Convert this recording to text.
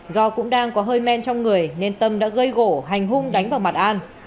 do cũng đang có hơi men trong người nên tâm đã gây gỗ hành hung đánh vào mặt an